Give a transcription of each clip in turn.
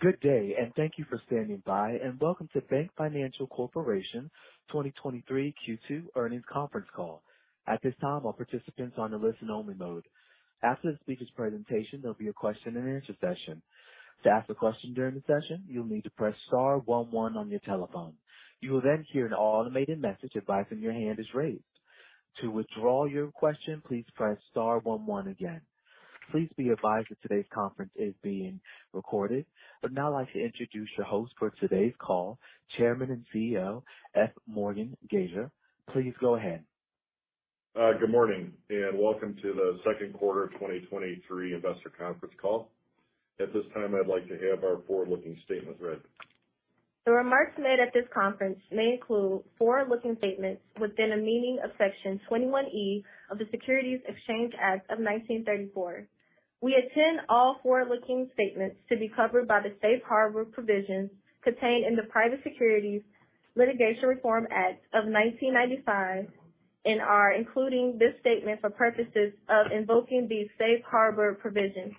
Good day. Thank you for standing by, and welcome to BankFinancial Corporation 2023 Q2 earnings conference call. At this time, all participants are on a listen-only mode. After the speaker's presentation, there'll be a question-and-answer session. To ask a question during the session, you'll need to press star one one on your telephone. You will hear an automated message advising your hand is raised. To withdraw your question, please press star one one again. Please be advised that today's conference is being recorded. I'd now like to introduce your host for today's call, Chairman and CEO, F. Morgan Gasior. Please go ahead. Good morning, and welcome to the second quarter 2023 investor conference call. At this time, I'd like to have our forward-looking statement read. The remarks made at this conference may include forward-looking statements within the meaning of Section 21E of the Securities Exchange Act of 1934. We intend all forward-looking statements to be covered by the safe harbor provisions contained in the Private Securities Litigation Reform Act of 1995 and are including this statement for purposes of invoking these safe harbor provisions.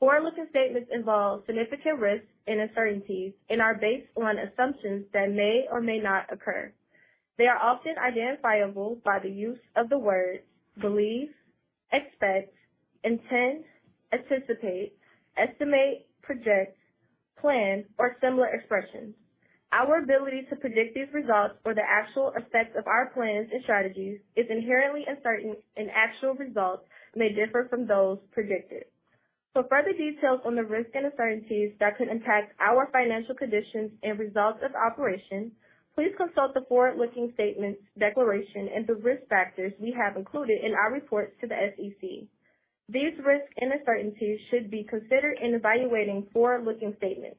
Forward-looking statements involve significant risks and uncertainties and are based on assumptions that may or may not occur. They are often identifiable by the use of the words believe, expect, intend, anticipate, estimate, project, plan, or similar expressions. Our ability to predict these results or the actual effects of our plans and strategies is inherently uncertain, and actual results may differ from those predicted. For further details on the risks and uncertainties that could impact our financial conditions and results of operation, please consult the forward-looking statements declaration and the risk factors we have included in our reports to the SEC. These risks and uncertainties should be considered in evaluating forward-looking statements.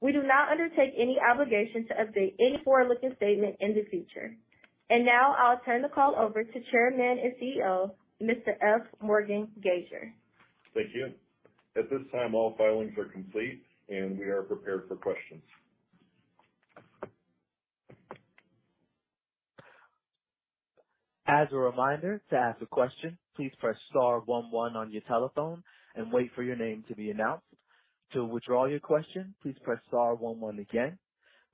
We do not undertake any obligation to update any forward-looking statement in the future. Now I'll turn the call over to Chairman and CEO, Mr. F. Morgan Gaisor. Thank you. At this time, all filings are complete, and we are prepared for questions. As a reminder, to ask a question, please press star 11 on your telephone and wait for your name to be announced. To withdraw your question, please press star 11 again.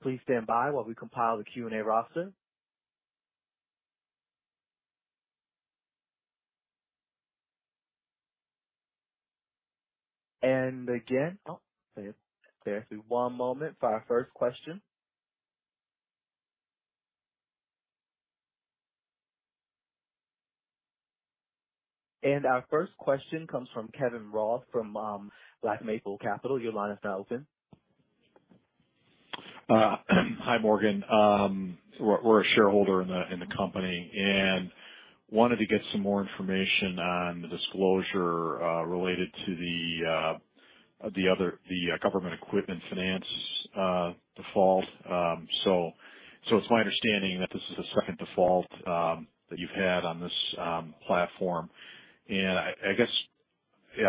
Please stand by while we compile the Q&A roster. Oh, bear, bear with me 1 moment for our first question. Our first question comes from Kevin Roth from Black Maple Capital. Your line is now open. Hi, Morgan. We're, we're a shareholder in the, in the company, and wanted to get some more information on the disclosure related to the other, the government equipment finance default. So it's my understanding that this is the second default that you've had on this platform, and I, I guess,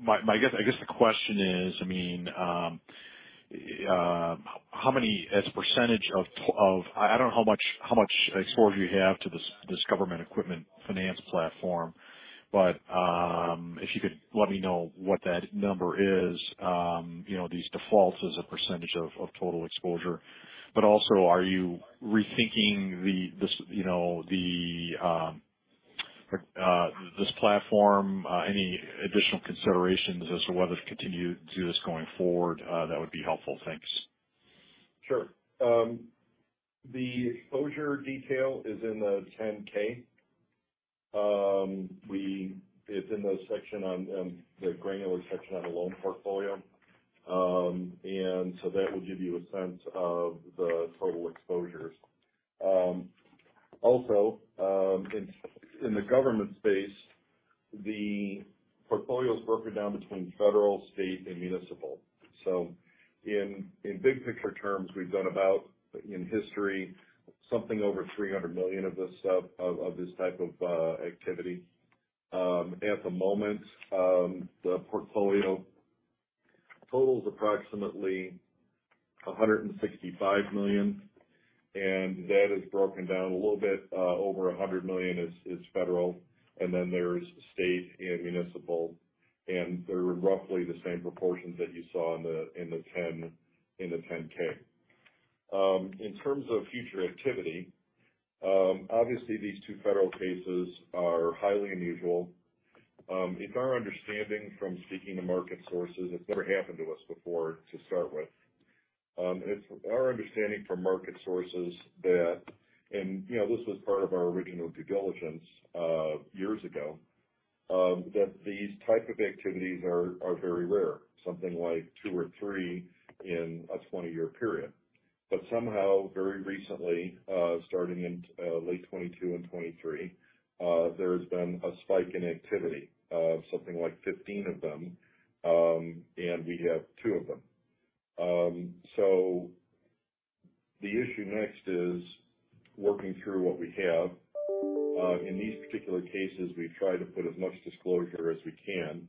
my, my guess, I guess the question is, I mean, h- how many as a percentage of to- of... I, I don't know how much, how much exposure you have to this, this government equipment finance platform, but if you could let me know what that number is, you know, these defaults as a percentage of, of total exposure, also, are you rethinking the, this, you know, the this platform? any additional considerations as to whether to continue to do this going forward, that would be helpful. Thanks. Sure. The exposure detail is in the 10-K. It's in the section on the granular section on the loan portfolio. That will give you a sense of the total exposures. Also, in the government space, the portfolio is broken down between federal, state, and municipal. In big picture terms, we've done about, in history, something over $300 million of this stuff, of this type of activity. At the moment, the portfolio total is approximately $165 million, and that is broken down a little bit. Over $100 million is federal, and then there's state and municipal, and they're roughly the same proportions that you saw in the 10-K. In terms of future activity, obviously, these 2 federal cases are highly unusual. It's our understanding from speaking to market sources, it's never happened to us before to start with. It's our understanding from market sources that, and, you know, this was part of our original due diligence, years ago, that these type of activities are very rare, something like 2 or 3 in a 20-year period. Somehow, very recently, starting in late 2022 and 2023, there has been a spike in activity of something like 15 of them, and we have 2 of them. The issue next is working through what we have. In these particular cases, we've tried to put as much disclosure as we can.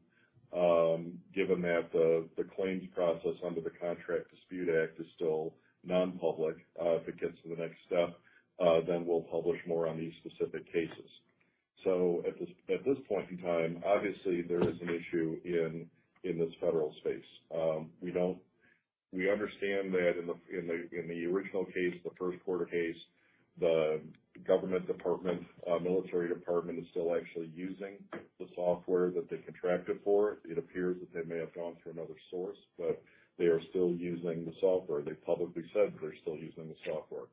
Given that the claims process under the Contract Disputes Act is still non-public, if it gets to the next step, then we'll publish more on these specific cases. At this, at this point in time, obviously, there is an issue in this federal space. We don't we understand that in the, in the, in the original case, the first quarter case, the government department, military department is still actually using the software that they contracted for. It appears that they may have gone through another source, but they are still using the software. They publicly said that they're still using the software.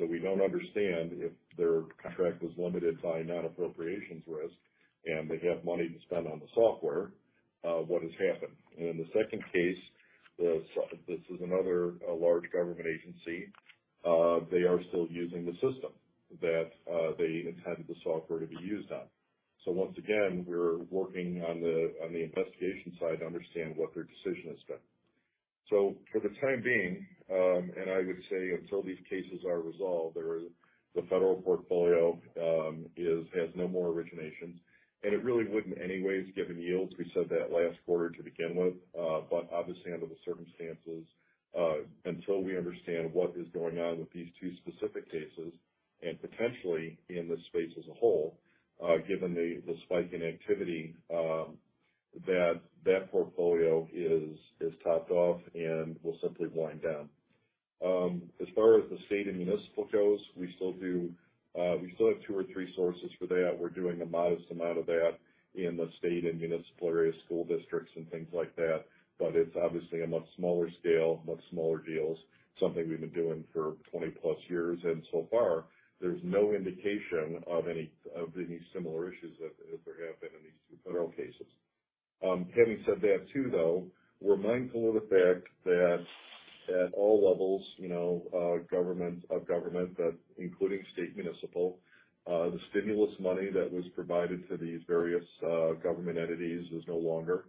We don't understand, if their contract was limited by non-appropriation risk, and they have money to spend on the software, what has happened. In the second case, this is another large government agency, they are still using the system that they intended the software to be used on. Once again, we're working on the, on the investigation side to understand what their decision has been. For the time being, and I would say until these cases are resolved, the federal portfolio is, has no more originations, and it really wouldn't anyways, given the yields. We said that last quarter to begin with, but obviously under the circumstances, until we understand what is going on with these 2 specific cases and potentially in this space as a whole, given the spike in activity, that that portfolio is, is topped off and will simply wind down. As far as the state and municipal goes, we still do, we still have 2 or 3 sources for that. We're doing a modest amount of that in the state and municipal area, school districts and things like that, but it's obviously a much smaller scale, much smaller deals, something we've been doing for 20+ years, and so far, there's no indication of any, of any similar issues that, as there have been in these 2 federal cases. Having said that, too, though, we're mindful of the fact that at all levels, you know, government, of government, that including state municipal, the stimulus money that was provided to these various, government entities is no longer.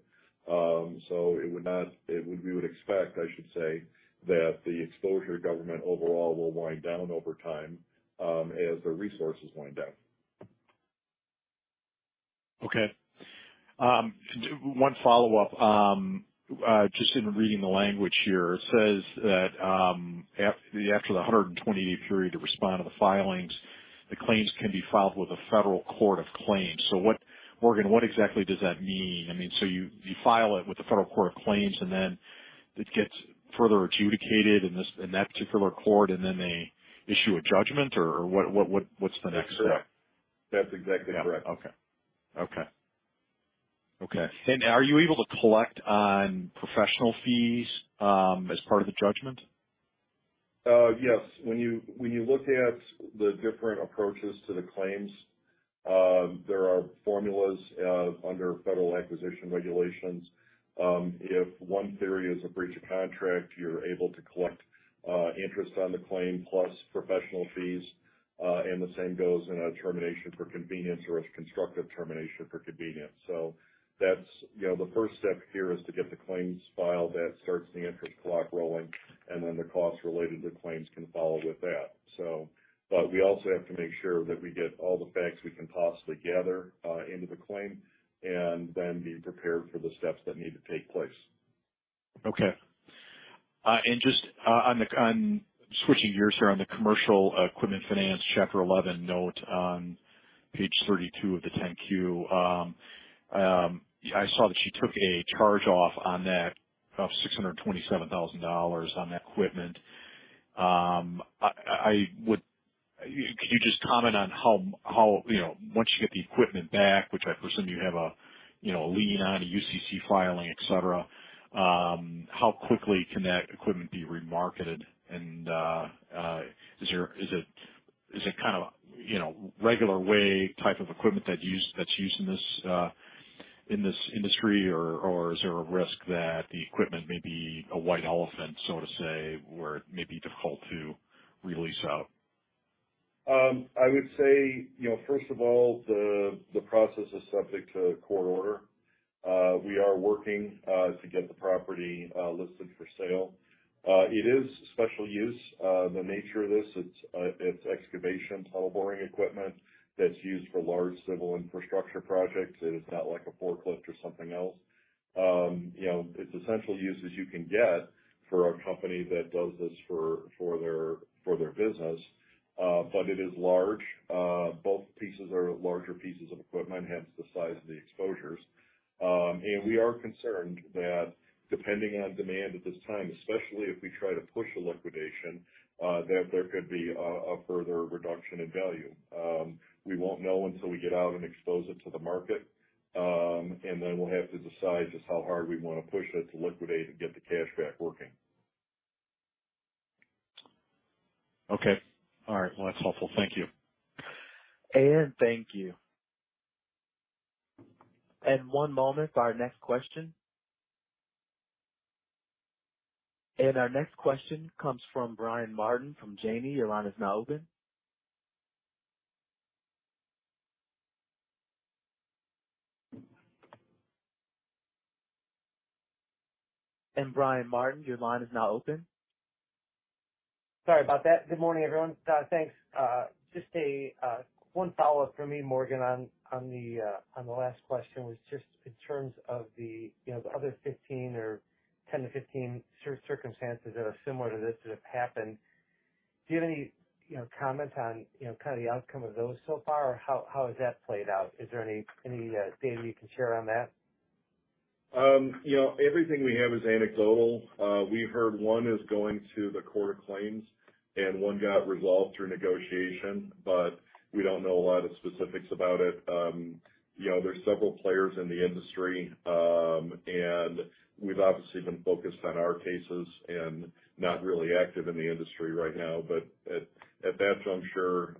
It would not... We would expect, I should say, that the exposure to government overall will wind down over time, as the resources wind down. Okay. one follow-up. just in reading the language here, it says that, after the 120-day period to respond to the filings, the claims can be filed with the Federal Court of Claims. Morgan, what exactly does that mean? I mean, so you, you file it with the Federal Court of Claims, and then it gets further adjudicated in this, in that particular court, and then they issue a judgment? What, what, what, what's the next step? That's correct. That's exactly correct. Yeah. Okay. Okay. Okay. Are you able to collect on professional fees as part of the judgment? Yes. When you, when you look at the different approaches to the claims, there are formulas, under Federal Acquisition Regulation. If one theory is a breach of contract, you're able to collect, interest on the claim, plus professional fees. The same goes in a termination for convenience or a constructive termination for convenience. That's, you know, the first step here is to get the claims filed. That starts the interest clock rolling, and then the costs related to the claims can follow with that, so. We also have to make sure that we get all the facts we can possibly gather, into the claim, and then be prepared for the steps that need to take place. Okay. Just on the switching gears here on the commercial equipment finance, Chapter 11 note on page 32 of the 10-Q. I saw that you took a charge off on that of $627,000 on that equipment. Could you just comment on how, you know, once you get the equipment back, which I presume you have a, you know, a lien on, a UCC filing, et cetera, how quickly can that equipment be remarketed? Is it kind of a, you know, regular way type of equipment that used, that's used in this industry? Is there a risk that the equipment may be a white elephant, so to say, where it may be difficult to release out? I would say, you know, first of all, the, the process is subject to court order. We are working to get the property listed for sale. It is special use. The nature of this, it's, it's excavation tunnel boring equipment that's used for large civil infrastructure projects. It is not like a forklift or something else. You know, it's as special use as you can get for a company that does this for, for their, for their business. But it is large. Both pieces are larger pieces of equipment, hence the size of the exposures. And we are concerned that depending on demand at this time, especially if we try to push a liquidation, that there could be a further reduction in value. We won't know until we get out and expose it to the market. Then we'll have to decide just how hard we want to push it to liquidate and get the cash back working. Okay. All right. Well, that's helpful. Thank you. Thank you. One moment for our next question. Our next question comes from Brian Martin from Janney. Your line is now open. Brian Martin, your line is now open. Sorry about that. Good morning, everyone. Thanks. Just a, one follow-up for me, Morgan, on, on the last question was just in terms of the, you know, the other 15 or 10-15 circumstances that are similar to this that have happened. Do you have any, you know, comment on, you know, kind of the outcome of those so far? Or how, how has that played out? Is there any, any, data you can share on that? You know, everything we have is anecdotal. We've heard one is going to the Court of Claims, and one got resolved through negotiation, but we don't know a lot of specifics about it. You know, there's several players in the industry, and we've obviously been focused on our cases and not really active in the industry right now. But at, at that juncture,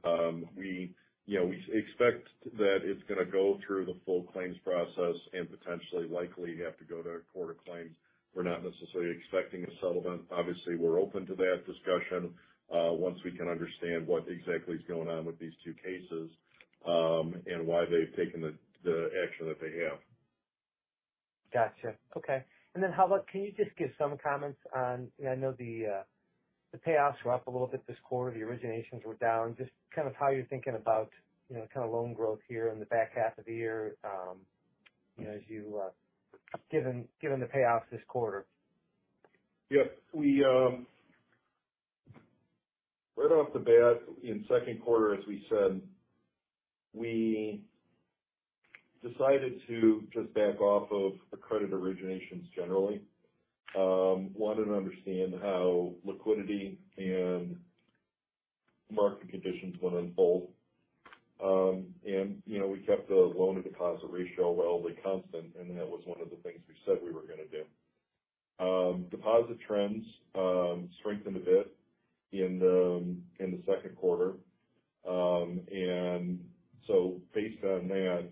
you know, we expect that it's gonna go through the full claims process and potentially likely have to go to Court of Claims. We're not necessarily expecting a settlement. Obviously, we're open to that discussion, once we can understand what exactly is going on with these two cases, and why they've taken the, the action that they have. Gotcha. Okay. Then how about, can you just give some comments on? I know the payoffs were up a little bit this quarter. The originations were down. Just kind of how you're thinking about, you know, kind of loan growth here in the back half of the year, you know, given, given the payoffs this quarter. Yep. We, right off the bat, in second quarter, as we said, we decided to just back off of the credit originations generally. Wanted to understand how liquidity and market conditions were going to unfold. You know, we kept the loan-to-deposit ratio relatively constant, and that was one of the things we said we were gonna do. Deposit trends strengthened a bit in the second quarter. Based on that,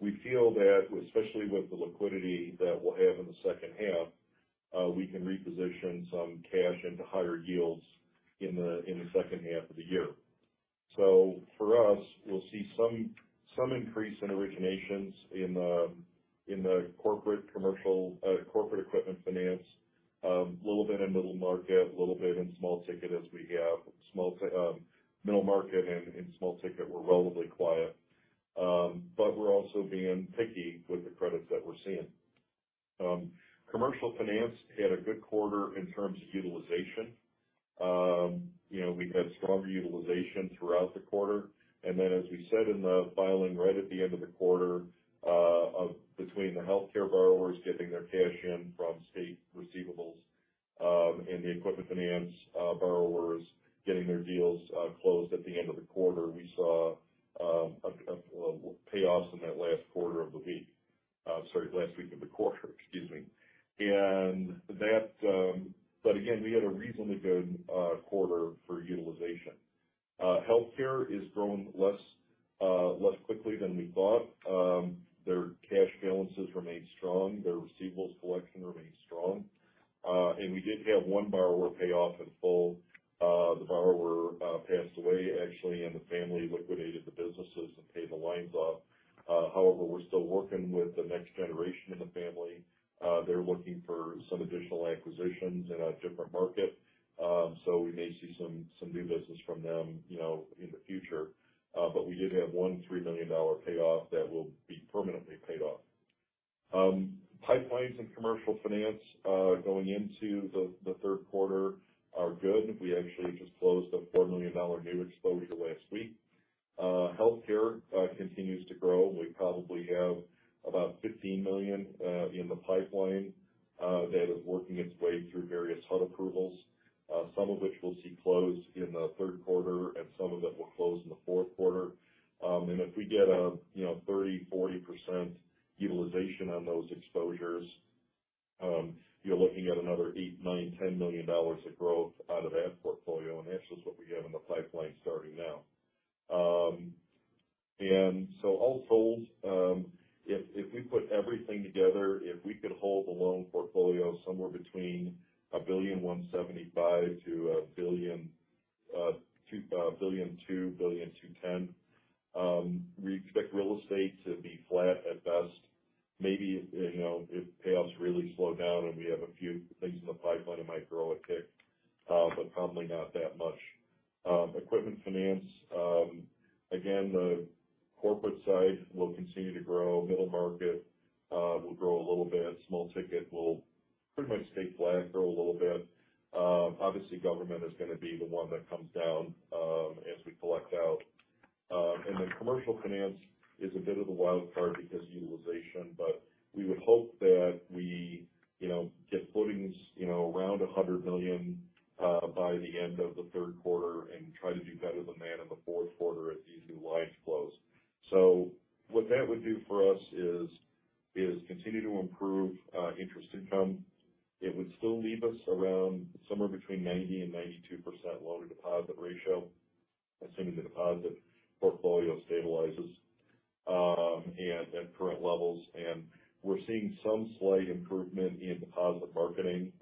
we feel that, especially with the liquidity that we'll have in the second half, we can reposition some cash into higher yields in the second half of the year. For us, we'll see some, some increase in originations in the, in the corporate commercial, corporate equipment finance, a little bit in middle market, a little bit in small ticket, as we have middle market and, and small ticket were relatively quiet. But we're also being picky with the credits that we're seeing. Commercial finance had a good quarter in terms of utilization. You know, we've had stronger utilization throughout the quarter. And then, as we said in the filing right at the end of the quarter, of between the healthcare borrowers getting their cash in from state receivables, and the equipment finance, borrowers getting their deals, closed at the end of the quarter, we saw, a, a, well, payoffs in that last quarter of the week. Sorry, last week of the quarter, excuse me. We had a reasonably good quarter for utilization. Healthcare is growing less quickly than we thought. Their cash balances remain strong, their receivables collection remains strong. We did have one borrower pay off in full. The borrower passed away, actually, and the family liquidated the businesses and paid the lines off. We're still working with the next generation in the family. They're looking for some additional acquisitions in a different market, so we may see some new business from them, you know, in the future. We did have one $3 million payoff that will be permanently paid off. Pipelines in commercial finance going into the third quarter are good. We actually just closed a $4 million new exposure last week. Healthcare continues to grow. We probably have about $15 million in the pipeline that is working its way through various HUD approvals, some of which we'll see close in the third quarter, and some of them will close in the fourth quarter. If we get a, you know, 30%, 40% utilization on those exposures, you're looking at another $8 million, $9 million, $10 million of growth out of that portfolio, and that's just what we have in the pipeline starting now. So all told, if, if we put everything together, if we could hold the loan portfolio somewhere between $1.175 billion to $1.2 billion, $1.210 billion, we expect real estate to be flat at best. Maybe, you know, if payoffs really slow down and we have a few things in the pipeline, it might grow a tick, but probably not that much. equipment finance, again, the corporate side will continue to grow. Middle market will grow a little bit. Small ticket will pretty much stay flat, grow a little bit. Obviously, government is gonna be the one that comes down as we collect out. And then commercial finance is a bit of a wild card because utilization, but we would hope that we, you know, get floatings, you know, around $100 million by the end of the third quarter and try to do better than that in the fourth quarter as these new lines close. What that would do for us is, is continue to improve interest income. It would still leave us around somewhere between 90% and 92% loan-to-deposit ratio, assuming the deposit portfolio stabilizes at current levels. We're seeing some slight improvement in deposit marketing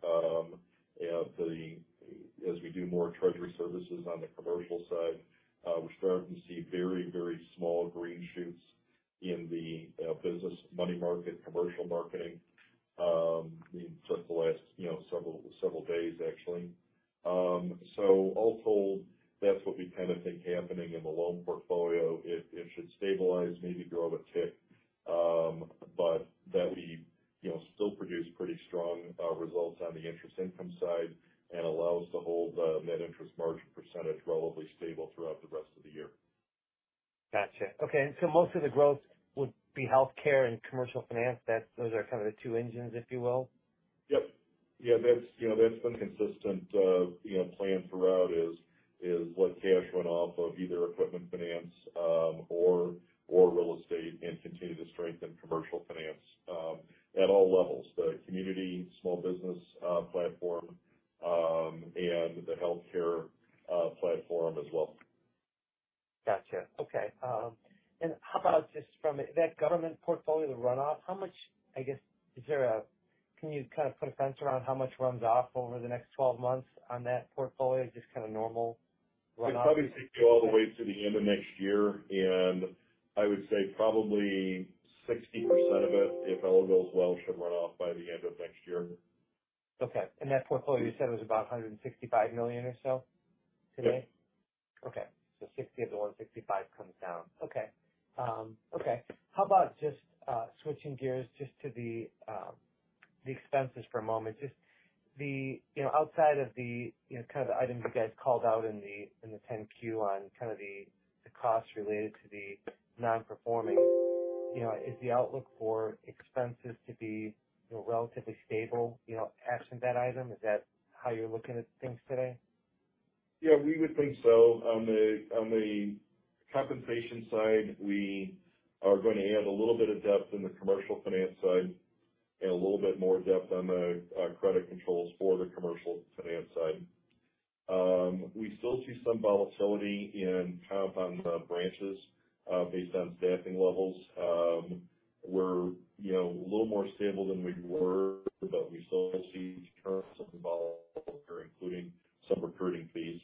as we do more treasury services on the commercial side. We're starting to see very, very small green shoots in the business money market, commercial marketing, in just the last, you know, several, several days, actually. All told, that's what we kind of think happening in the loan portfolio. It, it should stabilize, maybe grow up a tick. That we, you know, still produce pretty strong results on the interest income side and allows to hold net interest margin percentage relatively stable throughout the rest of the year. Gotcha. Okay, so most of the growth would be healthcare and commercial finance. Those are kind of the two engines, if you will? Yep. Yeah, that's, you know, that's been consistent. You know, plan throughout is, is what cash went off of either equipment finance, or, or real estate and continue to strengthen commercial finance, at all levels, the community, small business, platform, and the healthcare, platform as well. Gotcha. Okay. How about just from that government portfolio, the runoff? How much can you kind of put a fence around how much runs off over the next 12 months on that portfolio? Just kind of normal runoff. It'll probably take you all the way to the end of next year, I would say probably 60% of it, if all goes well, should run off by the end of next year. Okay, that portfolio you said was about $165 million or so today? Yep. Okay. 60 of the 165 comes down. Okay. Okay. How about just switching gears just to the expenses for a moment. Just the, you know, outside of the, you know, kind of the items you guys called out in the, in the 10-Q on kind of the, the costs related to the nonperforming, you know, is the outlook for expenses to be, you know, relatively stable, you know, absent that item? Is that how you're looking at things today? Yeah, we would think so. On the, on the compensation side, we are going to add a little bit of depth in the commercial finance side and a little bit more depth on the credit controls for the commercial finance side. We still see some volatility in comp on the branches, based on staffing levels. We're, you know, a little more stable than we were, but we still see turns in volume, including some recruiting fees.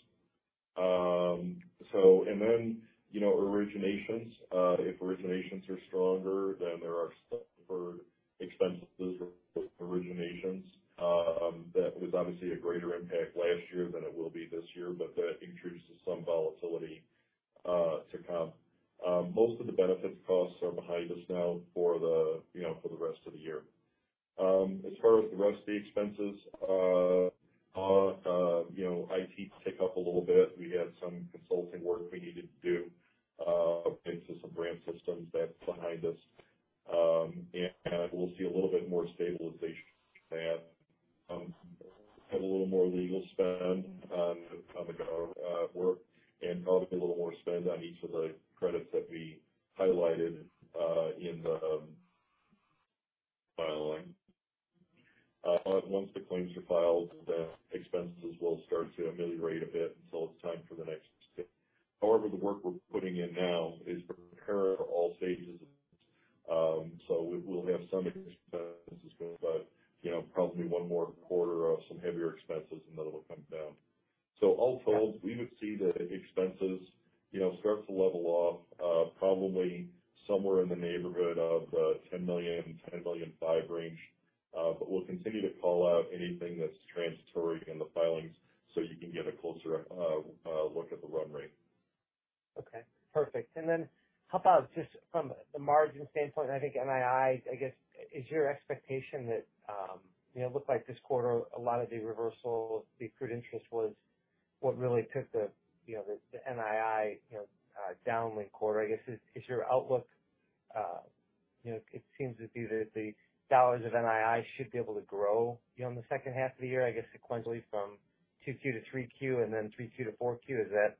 You know, originations. If originations are stronger, there are stronger expenses with originations. That was obviously a greater impact last year than it will be this year, but that introduces some volatility to comp. Most of the benefits costs are behind us now for the, you know, for the rest of the year. As far as the rest of the expenses, you know, IT tick up a little bit. We had some consulting work we needed to do into some brand systems. That's behind us. We'll see a little bit more stabilization than have a little more legal spend on, on the gov work, and probably a little more spend on each of the credits that we highlighted in the filing. Once the claims are filed, the expenses will start to ameliorate a bit until it's time for the next. However, the work we're putting in now is preparing for all stages of this. We'll have some expenses, but, you know, probably one more quarter of some heavier expenses, and then it'll come down. All told, we would see the expenses, you know, start to level off, probably somewhere in the neighborhood of, $10 million-$10.5 million range. We'll continue to call out anything that's transitory in the filings, so you can get a closer, look at the run rate. Okay, perfect. Then how about just from the margin standpoint, I think NII, I guess, is your expectation that, you know, it looked like this quarter, a lot of the reversal, the accrued interest was what really took the, you know, the, the NII, you know, down link quarter. I guess, is, is your outlook, you know, it seems to be that the dollars of NII should be able to grow, you know, on the second half of the year, I guess, sequentially from 2Q to 3Q and then 3Q to 4Q. Is that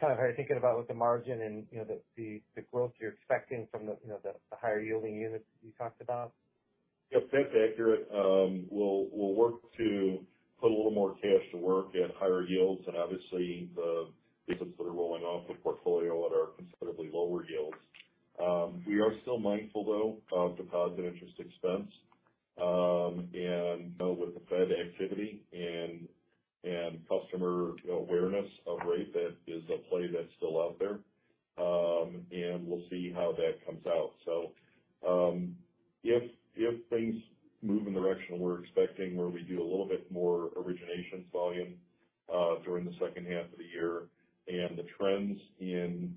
kind of how you're thinking about with the margin and, you know, the, the, the growth you're expecting from the, you know, the, the higher yielding units you talked about? Yep, that's accurate. We'll, we'll work to put a little more cash to work at higher yields and obviously the business that are rolling off the portfolio at our considerably lower yields. We are still mindful, though, of deposit interest expense. With the Fed activity and, and customer, you know, awareness of rate, that is a play that's still out there. We'll see how that comes out. If, if things move in the direction we're expecting, where we do a little bit more originations volume during the second half of the year, and the trends in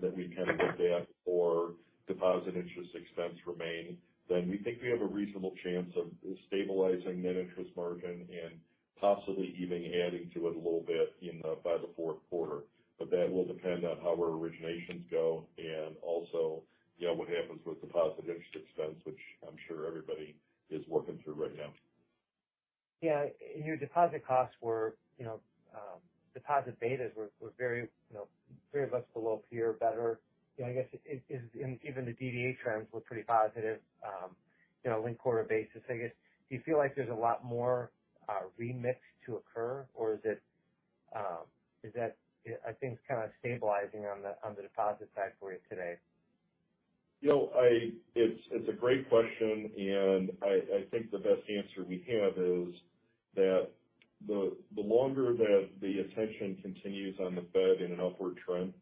that we can expect for deposit interest expense remain, then we think we have a reasonable chance of stabilizing net interest margin and possibly even adding to it a little bit by the fourth quarter. That will depend on how our originations go and also, you know, what happens with deposit interest expense, which I'm sure everybody is working through right now. Yeah. Your deposit costs were, you know, deposit betas were, were very, you know, very much below peer, better. You know, I guess, it, it, even the DDA trends were pretty positive, you know, linked quarter basis. I guess, do you feel like there's a lot more remix to occur, or is it, is that... I think it's kind of stabilizing on the deposit side for you today? You know, it's, it's a great question, and I, I think the best answer we have is that the, the longer that the attention continues on the Fed in an upward trend,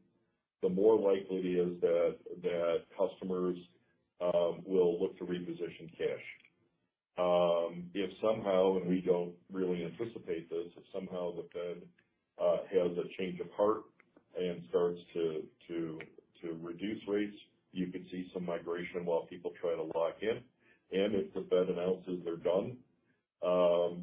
the more likely it is that, that customers, will look to reposition cash. If somehow, and we don't really anticipate this, if somehow the Fed has a change of heart and starts to, to, to reduce rates, you could see some migration while people try to lock in. If the Fed announces they're done,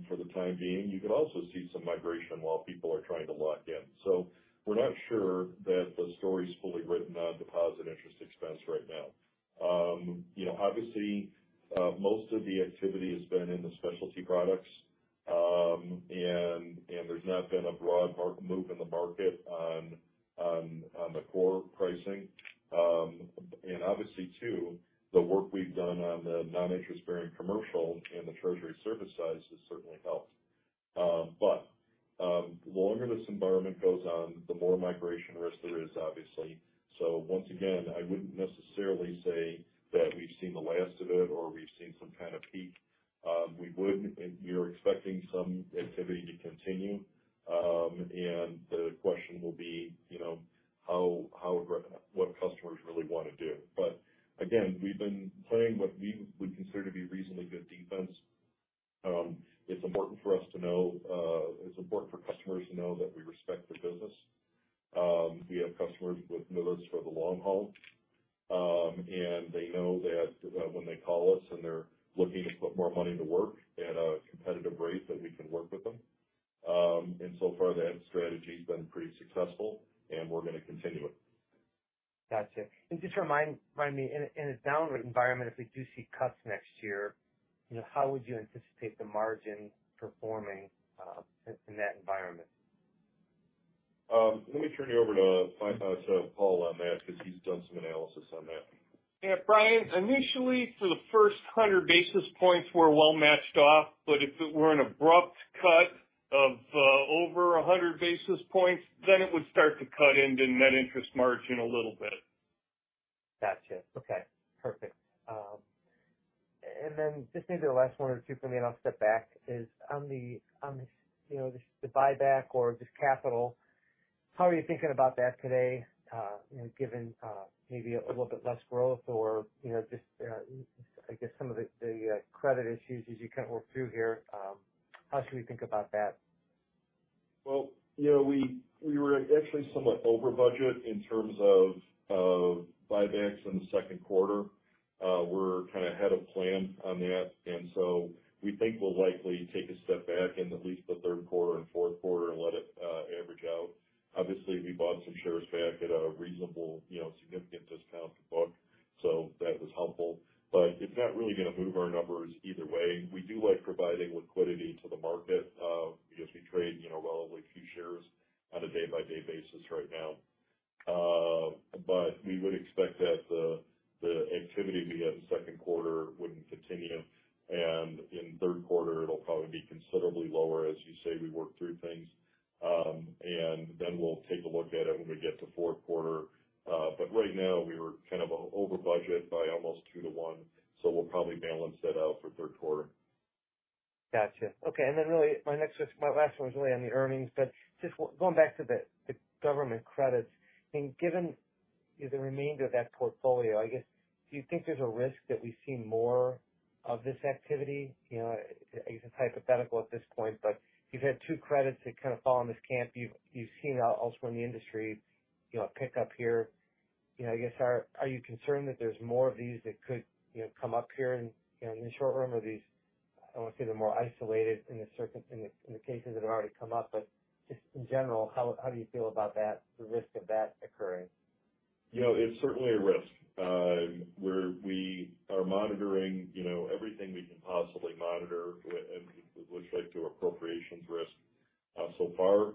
for the time being, you could also see some migration while people are trying to lock in. We're not sure that the story's fully written on deposit interest expense right now. You know, obviously, most of the activity has been in the specialty products. There's not been a broad mark move in the market on the core pricing. Obviously, too, the work we've done on the non-interest bearing commercial and the treasury services side has certainly helped. The longer this environment goes on, the more migration risk there is, obviously. Once again, I wouldn't necessarily say that we've seen the last of it or we've seen some kind of peak. We would, and we are expecting some activity to continue. The question will be, you know, how what customers really want to do. Again, we've been playing what we would consider to be reasonably good defense. It's important for us to know. It's important for customers to know that we respect their business. We have customers with us for the long haul, and they know that when they call us, and they're looking to put more money to work at a competitive rate, that we can work with them. So far, that strategy's been pretty successful, and we're going to continue it. Gotcha. just remind, remind me, in a, in a downward environment, if we do see cuts next year, you know, how would you anticipate the margin performing, in, in that environment? Let me turn you over to Paul on that, because he's done some analysis on that. Yeah, Brian, initially, for the first 100 basis points, we're well matched off, but if it were an abrupt cut of over 100 basis points, then it would start to cut into net interest margin a little bit. Gotcha. Okay, perfect. Then just maybe the last one or two for me, and I'll step back, is on the, on the, you know, the, the buyback or just capital, how are you thinking about that today, you know, given a, a little bit less growth or, you know, just, I guess, some of the, the credit issues as you kind of work through here? How should we think about that? Well, you know, we, we were actually somewhat over budget in terms of, of buybacks in the 2nd quarter. We're kind of ahead of plan on that, and so we think we'll likely take a step back in at least the 3rd quarter and 4th quarter and let it average out. Obviously, we bought some shares back at a reasonable, you know, significant discount to book, so that was helpful, but it's not really going to move our numbers either way. We do like providing liquidity to the market because we trade, you know, relatively few shares on a day-by-day basis right now. But we would expect that the, the activity we had in the 2nd quarter wouldn't continue, and in the 3rd quarter, it'll probably be considerably lower, as you say, we work through things. Then we'll take a look at it when we get to fourth quarter. Right now, we were kind of over budget by almost 2 to 1. We'll probably balance that out for third quarter. Gotcha. Okay, then, really my next question, my last one was really on the earnings, but just going back to the, the government credits, and given the remainder of that portfolio, I guess, do you think there's a risk that we see more of this activity? You know, it's a hypothetical at this point, but you've had two credits that kind of fall in this camp. You've, you've seen also in the industry, you know, a pickup here. You know, I guess, are, are you concerned that there's more of these that could, you know, come up here in, you know, in the short run? Or are these, I don't want to say they're more isolated in the, in the cases that have already come up, but just in general, how, how do you feel about that, the risk of that occurring? You know, it's certainly a risk. We are monitoring, you know, everything we can possibly monitor with respect to appropriations risk. So far,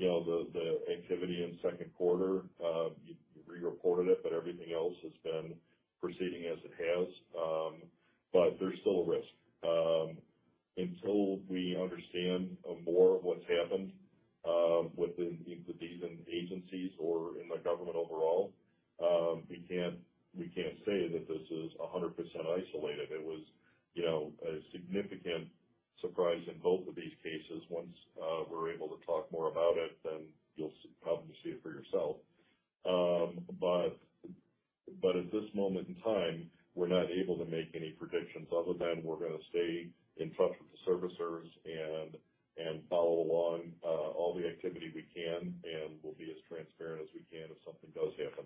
you know, the activity in the second quarter, you reported it, but everything else has been proceeding as it has. There's still a risk. Until we understand more of what's happened, within including agencies or in the government overall, we can't, we can't say that this is 100% isolated. It was, you know, a significant surprise in both of these cases. Once we're able to talk more about it, then you'll probably see it for yourself. But at this moment in time, we're not able to make any predictions other than we're going to stay in touch with the servicers and, and follow along, all the activity we can, and we'll be as transparent as we can if something does happen.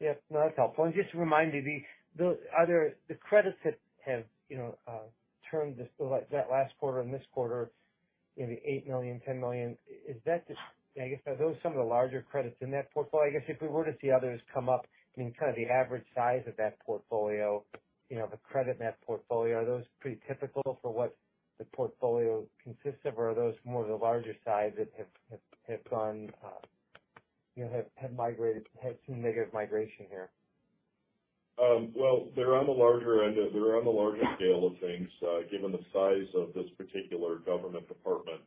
Yeah. No, that's helpful. Just to remind me, the, the other-- the credits that have, you know, turned this, so like that last quarter and this quarter, maybe $8 million, $10 million, is that just, I guess, are those some of the larger credits in that portfolio? I guess, if we were to see others come up, I mean, kind of the average size of that portfolio, you know, the credit in that portfolio, are those pretty typical for what the portfolio consists of, or are those more the larger size that have, have, have gone, you know, have, have migrated, have seen negative migration here? Well, they're on the larger end of it. They're on the larger scale of things, given the size of this particular government department. It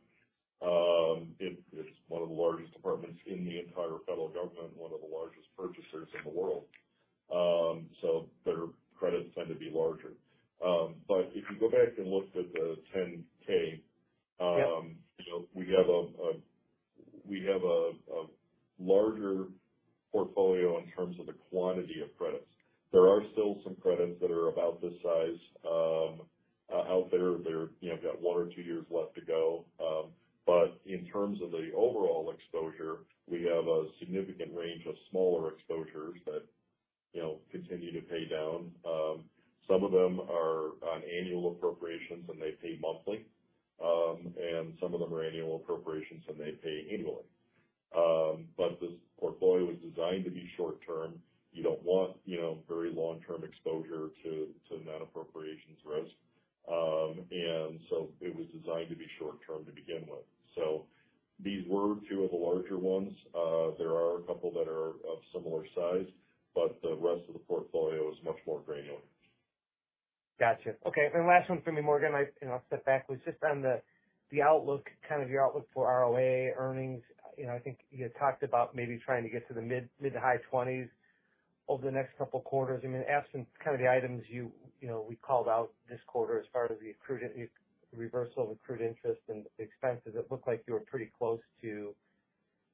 reversal of accrued interest and expenses, it looked like you were pretty close to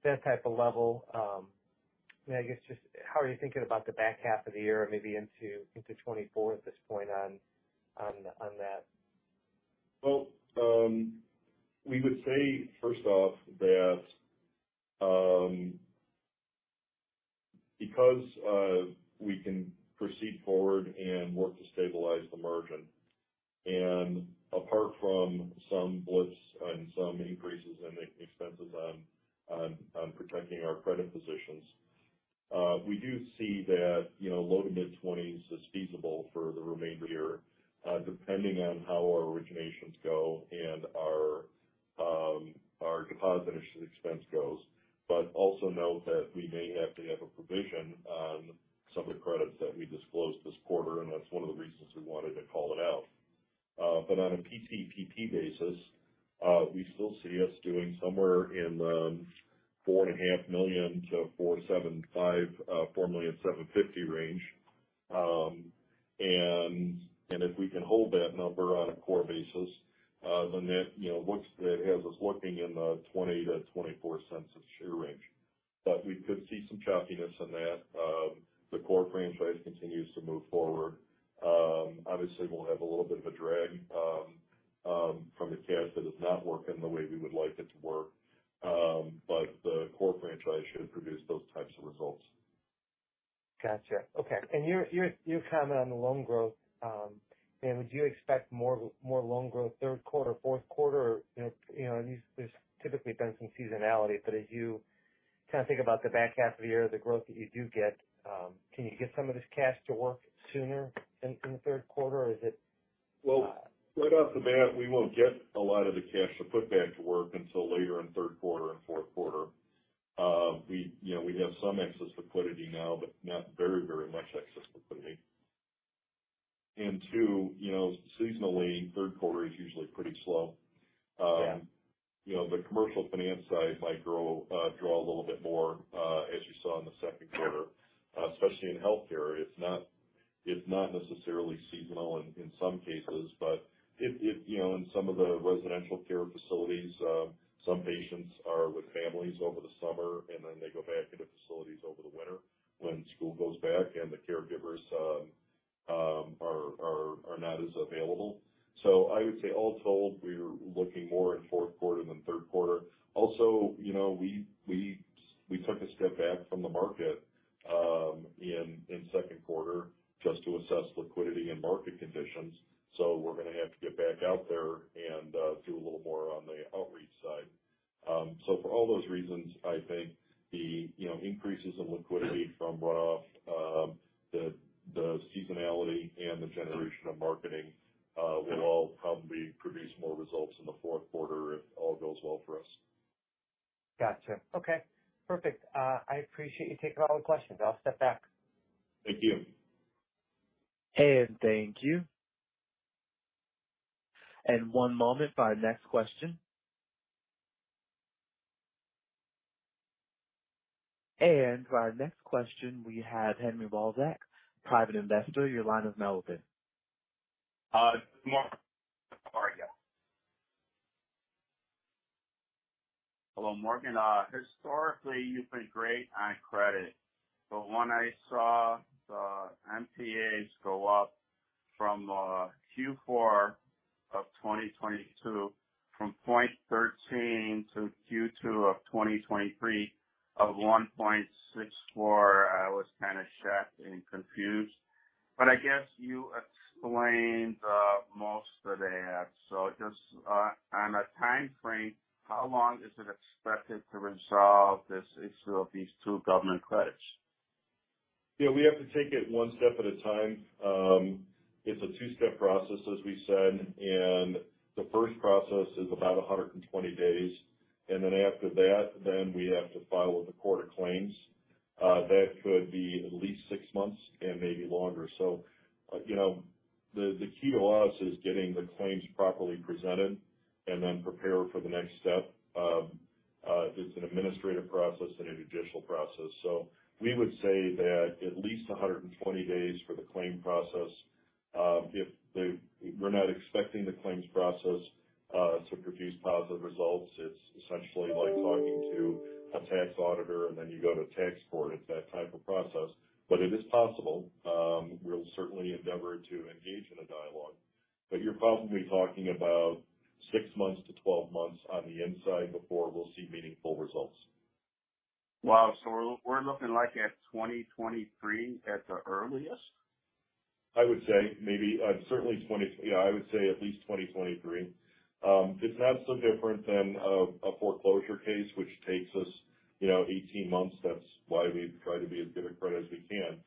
that type of level. I guess just how are you thinking about the back half of the year, maybe into, into 2024 at this point on, on, on that? Well, we would say, first off, that, because, we can proceed forward and work to stabilize the margin. Apart from some blips and some increases in expenses on protecting our credit positions, we do see that, you know, low to mid 20s is feasible for the remainder year, depending on how our originations go and our deposit interest expense goes. Also note that we may have to have a provision on some of the credits that we disclosed this quarter. That's one of the reasons we wanted to call it out. On a PTPP basis, we still see us doing somewhere in the $4.5 million-$4.75 million, $4,750,000 range. If we can hold that number on a core basis, then that, you know, has us looking in the $0.20-$0.24 a share range. We could see some choppiness in that. The core franchise continues to move forward. Obviously, we'll have a little bit of a drag, from the cash that is not working the way we would like it to work. The core franchise should produce those types of results. Gotcha. Okay. Your, your, your comment on the loan growth, and would you expect more, more loan growth, third quarter, fourth quarter? You know, you know, there's, there's typically been some seasonality, but as you kind of think about the back half of the year, the growth that you do get, can you get some of this cash to work sooner than in the third quarter, or is it- Well, right off the bat, we won't get a lot of the cash to put back to work until later in third quarter and fourth quarter. We, you know, we have some excess liquidity now, but not very, very much excess liquidity. Two, you know, seasonally, third quarter is usually pretty slow. Yeah. You know, the commercial finance side might grow, draw a little bit more, as you saw in the second quarter, especially in healthcare. It's not, it's not necessarily seasonal in, in some cases, but it, it, you know, in some of the residential care facilities, some patients are with families over the summer, and then they go back into facilities over the winter when school goes back, and the caregivers are not as available. I would say, all told, we're looking more in fourth quarter than third quarter. You know, we, we, we took a step back from the market in second quarter just to assess liquidity and market conditions. We're going to have to get back out there and do a little more on the outreach side. For all those reasons, I think the, you know, increases in liquidity from what, the, the seasonality and the generation of marketing, will all probably produce more results in the fourth quarter if all goes well for us. Gotcha. Okay, perfect. I appreciate you taking all the questions. I'll step back. Thank you. Thank you. 1 moment for our next question. For our next question, we have Henry Balzak, private investor. Your line is now open. Morgan, how are you? Hello, Morgan. Historically, you've been great on credit, when I saw the NPAs go up from Q4 of 2022, from 0.13% to Q2 of 2023 of 1.64%, I was kind of shocked and confused, I guess you explained most of that. Just on a timeframe, how long is it expected to resolve this issue of these 2 government credits? Yeah, we have to take it one step at a time. It's a two-step process, as we said, and the first process is about 120 days, and then after that, then we have to file with the Court of Claims. That could be at least six months and maybe longer. You know, the, the key to us is getting the claims properly presented and then prepare for the next step. It's an administrative process and a judicial process. We would say that at least 120 days for the claim process.... if they-- we're not expecting the claims process to produce positive results. It's essentially like talking to a tax auditor, and then you go to tax court. It's that type of process, but it is possible. We'll certainly endeavor to engage in a dialogue, but you're probably talking about six months to 12 months on the inside before we'll see meaningful results. Wow! We're, we're looking like at 2023 at the earliest? I would say maybe, certainly 20. Yeah, I would say at least 2023. It's not so different than a, a foreclosure case, which takes us, you know, 18 months. That's why we try to be as good a credit as we can.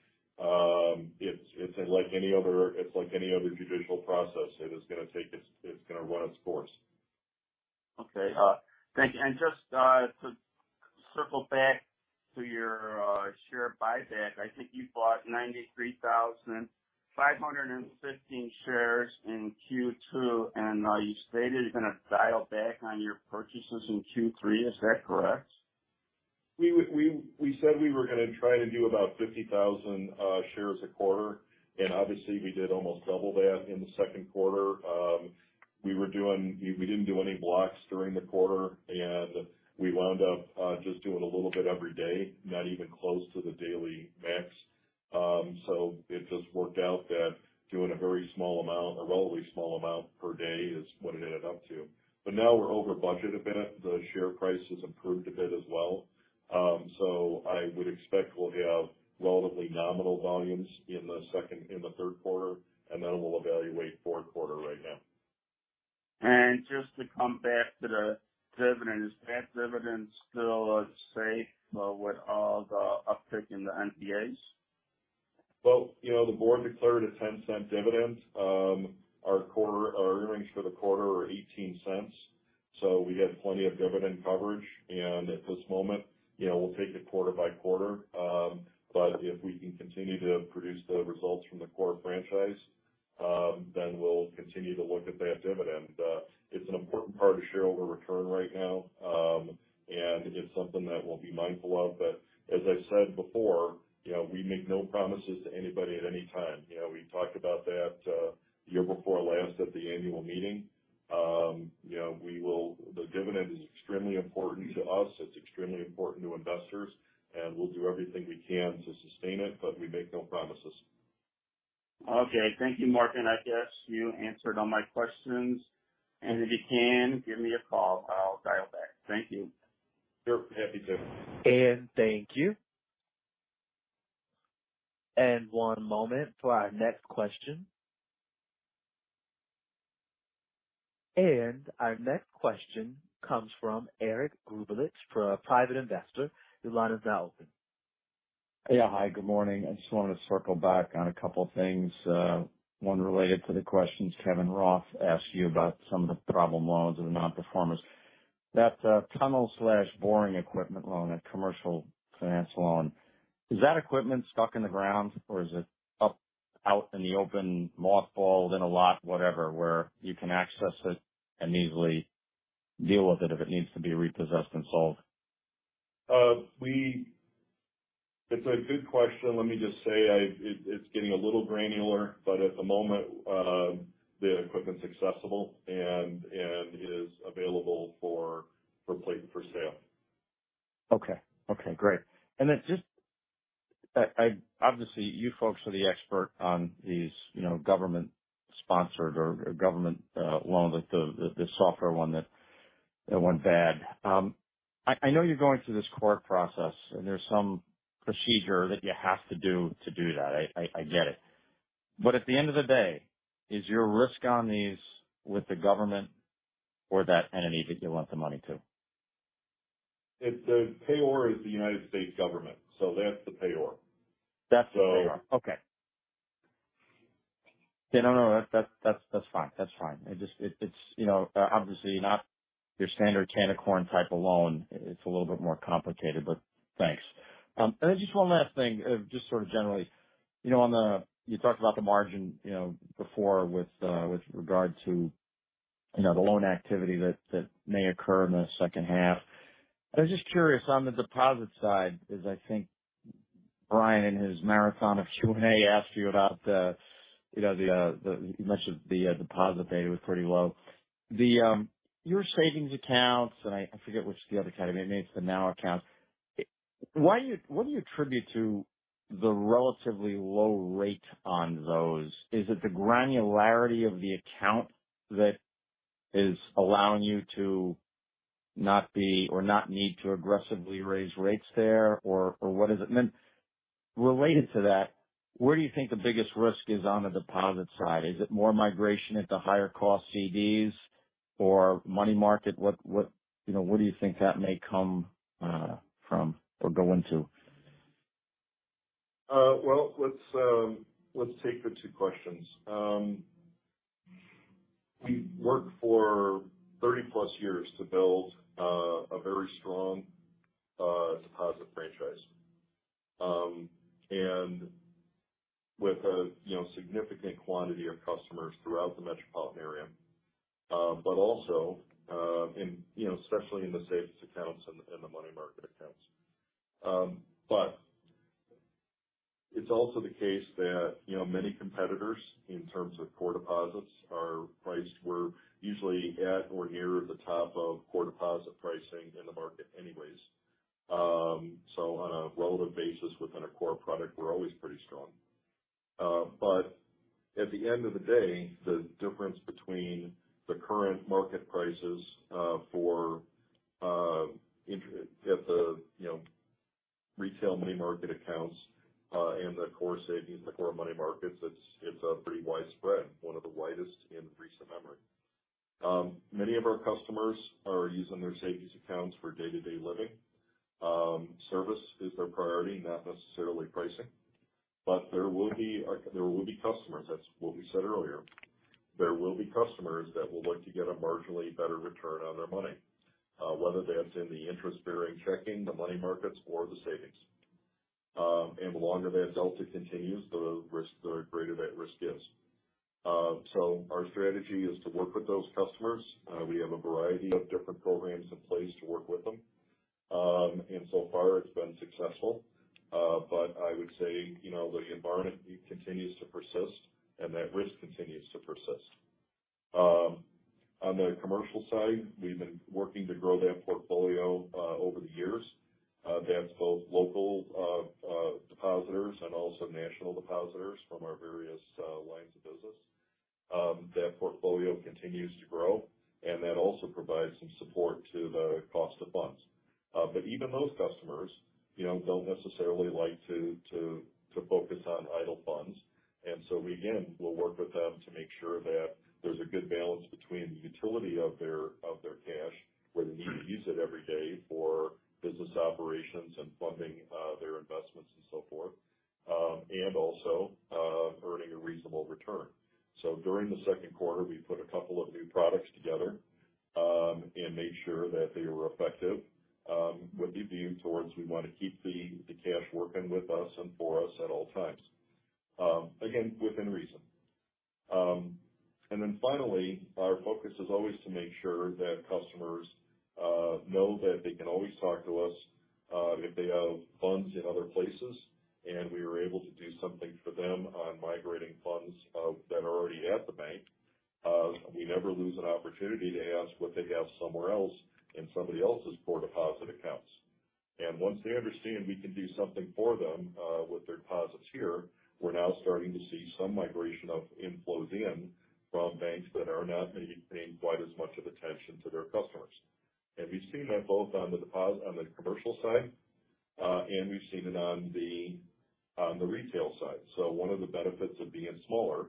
It's, it's like any other, it's like any other judicial process. It's gonna run its course. Okay. Thank you. And just, to circle back to your, share buyback, I think you bought 93,515 shares in Q2, and, you stated you're gonna dial back on your purchases in Q3. Is that correct? We said we were gonna try to do about 50,000 shares a quarter, and obviously we did almost double that in the second quarter. We were doing... We didn't do any blocks during the quarter, and we wound up just doing a little bit every day, not even close to the daily max. It just worked out that doing a very small amount, a relatively small amount per day is what it added up to. Now we're over budget a bit. The share price has improved a bit as well. I would expect we'll have relatively nominal volumes in the third quarter, and then we'll evaluate fourth quarter right now. Just to come back to the dividend, is that dividend still safe, with all the uptick in the NPAs? Well, you know, the board declared a $0.10 dividend. Our quarter, our earnings for the quarter were $0.18, so we have plenty of dividend coverage. At this moment, you know, we'll take it quarter by quarter. If we can continue to produce the results from the core franchise, then we'll continue to look at that dividend. It's an important part of shareholder return right now. It's something that we'll be mindful of. As I said before, you know, we make no promises to anybody at any time. You know, we talked about that the year before last at the annual meeting. You know, the dividend is extremely important to us. It's extremely important to investors, and we'll do everything we can to sustain it, but we make no promises. Okay. Thank you, Mark. I guess you answered all my questions. If you can, give me a call, I'll dial back. Thank you. Sure, happy to. Thank you. 1 moment for our next question. Our next question comes from Eric Grubelich, for a private investor, your line is now open. Yeah. Hi, good morning. I just wanted to circle back on a couple things, one related to the questions Kevin Roth asked you about some of the problem loans and the non-performers. That tunnel boring equipment loan, that commercial finance loan, is that equipment stuck in the ground? Or is it up out in the open, mothballed in a lot, whatever, where you can access it and easily deal with it if it needs to be repossessed and sold? We... It's a good question. Let me just say it's getting a little granular, but at the moment, the equipment's accessible and, and is available for, for plate for sale. Okay. Okay, great. Then just, I obviously, you folks are the expert on these, you know, government-sponsored or government loan, like the software one that went bad. I know you're going through this court process, and there's some procedure that you have to do to do that. I get it. At the end of the day, is your risk on these with the government or that entity that you lent the money to? It's, payor is the United States government, so that's the payor. That's the payor. So- Okay. Yeah, no, no, that, that's, that's, that's fine. That's fine. It just, it's, you know, obviously not your standard can of corn type of loan. It's a little bit more complicated, but thanks. Just one last thing, just sort of generally. You know, on the, you talked about the margin, you know, before with, with regard to, you know, the loan activity that, that may occur in the second half. I was just curious, on the deposit side, as I think Brian, in his marathon of Q&A, asked you about the, you know, the, mentioned the, deposit beta was pretty low. The, your savings accounts, and I, I forget which the other category, maybe it's the NOW accounts. Why do you, what do you attribute to the relatively low rate on those? Is it the granularity of the account that is allowing you to not be or not need to aggressively raise rates there? Or what is it? Related to that, where do you think the biggest risk is on the deposit side? Is it more migration at the higher cost CDs or money market? What, what, you know, where do you think that may come from or go into? Well, let's, let's take the two questions. We worked for 30+ years to build a very strong deposit franchise. With a, you know, significant quantity of customers throughout the metropolitan area, but also, in, you know, especially in the savings accounts and the, and the money market accounts. It's also the case that, you know, many competitors, in terms of core deposits, are priced. We're usually at or near the top of core deposit pricing in the market anyways. On a relative basis, within a core product, we're always pretty strong. At the end of the day, the difference between the current market prices for retail money market accounts and the core savings and the core money markets, it's pretty widespread, one of the widest in recent memory. Many of our customers are using their savings accounts for day-to-day living. Service is their priority, not necessarily pricing. There will be customers, that's what we said earlier. There will be customers that will look to get a marginally better return on their money, whether that's in the interest-bearing checking, the money markets, or the savings. The longer that delta continues, the risk, the greater that risk is. Our strategy is to work with those customers. We have a variety of different programs in place to work with them. So far, it's been successful. I would say, you know, the environment continues to persist, and that risk continues to persist. On the commercial side, we've been working to grow that portfolio over the years. That's both local depositors and also national depositors from our various lines of business. That portfolio continues to grow, that also provides some support to the cost of funds. Even those customers, you know, don't necessarily like to focus on idle funds. Again, we'll work with them to make sure that there's a good balance between the utility of their, of their cash, where they need to use it every day for business operations and funding, their investments and so forth, and also, earning a reasonable return. During the second quarter, we put a couple of new products together, and made sure that they were effective, with the view towards we want to keep the, the cash working with us and for us at all times. Again, within reason. Finally, our focus is always to make sure that customers know that they can always talk to us if they have funds in other places, and we are able to do something for them on migrating funds that are already at the bank. We never lose an opportunity to ask what they have somewhere else in somebody else's core deposit accounts. Once they understand we can do something for them, with their deposits here, we're now starting to see some migration of inflows in from banks that are not paying quite as much of attention to their customers. We've seen that both on the deposit... on the commercial side, and we've seen it on the, on the retail side. One of the benefits of being smaller,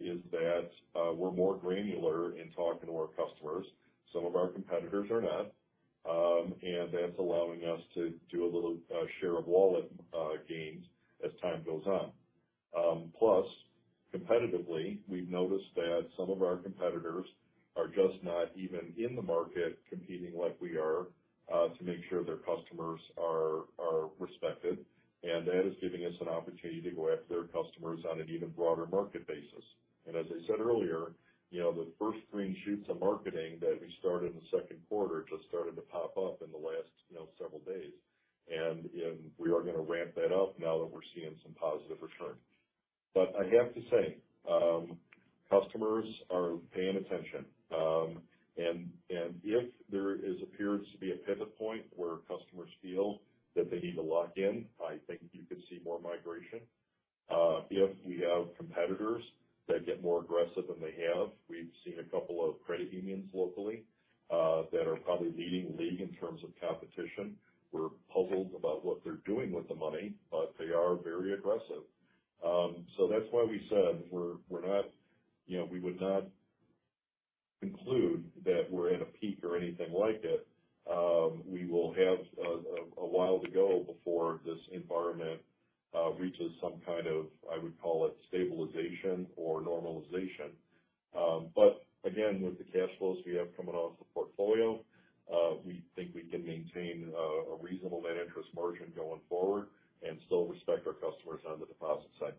is that we're more granular in talking to our customers. Some of our competitors are not. That's allowing us to do a little share of wallet gains as time goes on. Plus, competitively, we've noticed that some of our competitors are just not even in the market competing like we are, to make sure their customers are, are respected. That is giving us an opportunity to go after their customers on an even broader market basis. As I said earlier, you know, the first green shoots of marketing that we started in the second quarter just started to pop up in the last, you know, several days. We are going to ramp that up now that we're seeing some positive return. I have to say, customers are paying attention. And, and if there is appearance to be a pivot point where customers feel that they need to lock in, I think you could see more migration. If we have competitors that get more aggressive than they have. We've seen a couple of credit unions locally, that are probably leading the league in terms of competition. We're puzzled about what they're doing with the money, but they are very aggressive. That's why we said we're, we're not, you know, we would not conclude that we're in a peak or anything like it. We will have a, a, a while to go before this environment, reaches some kind of, I would call it, stabilization or normalization. Again, with the cash flows we have coming off the portfolio, we think we can maintain, a reasonable net interest margin going forward and still respect our customers on the deposit side.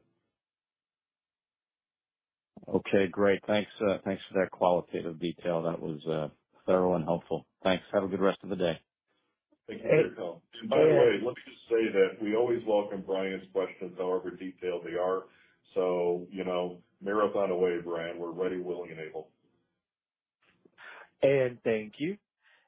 Okay, great. Thanks, thanks for that qualitative detail. That was, thorough and helpful. Thanks. Have a good rest of the day. Thank you. By the way, let me just say that we always welcome Brian's questions, however detailed they are. So, you know, marathon away, Brian. We're ready, willing, and able. Thank you.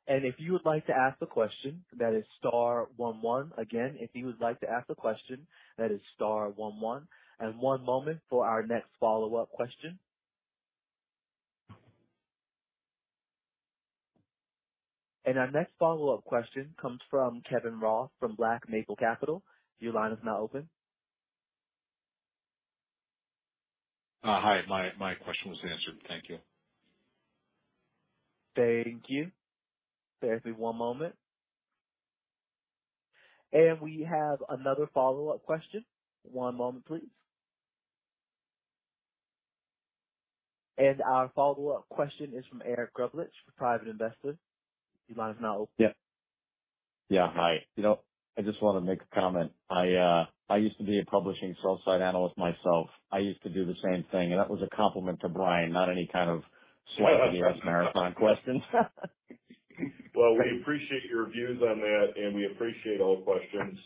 If you would like to ask a question, that is star one one. Again, if you would like to ask a question, that is star one one. 1 moment for our next follow-up question. Our next follow-up question comes from Kevin Roth from Black Maple Capital. Your line is now open. Hi. My question was answered. Thank you. Thank you. Bear with me one moment. We have another follow-up question. One moment, please. Our follow-up question is from Eric Grubelich, a private investor. Your line is now open. Yeah. Yeah, hi. You know, I just want to make a comment. I, I used to be a publishing sell side analyst myself. I used to do the same thing. That was a compliment to Brian, not any kind of swipe in the U.S. marathon questions. Well, we appreciate your views on that, and we appreciate all questions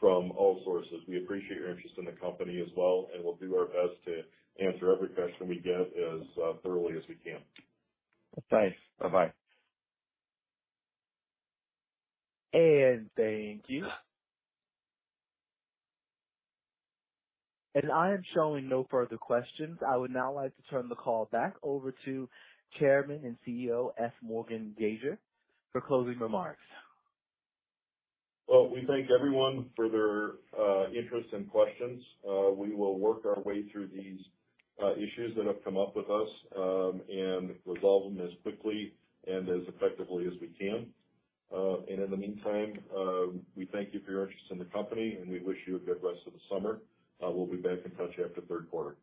from all sources. We appreciate your interest in the company as well, and we'll do our best to answer every question we get as thoroughly as we can. Thanks. Bye-bye. Thank you. I am showing no further questions. I would now like to turn the call back over to Chairman and CEO, F. Morgan Gasior, for closing remarks. Well, we thank everyone for their interest and questions. We will work our way through these issues that have come up with us, and resolve them as quickly and as effectively as we can. In the meantime, we thank you for your interest in the company, and we wish you a good rest of the summer. We'll be back in touch after third quarter.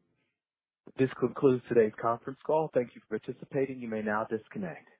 This concludes today's conference call. Thank you for participating. You may now disconnect.